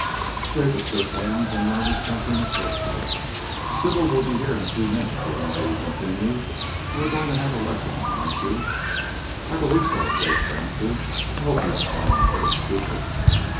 Jacob shook hands and murmured something appropriate. "Sybil will be here in a few minutes," the young lady continued. "You are going to have a lesson, aren't you?" "I believe so," Jacob answered. "I hope you won't find me very stupid."